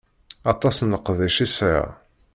Aṭas n leqdic i sɛiɣ.